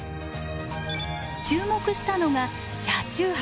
注目したのが車中泊。